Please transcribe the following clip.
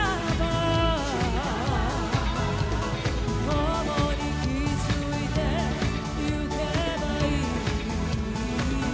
「共に築いていけばいい」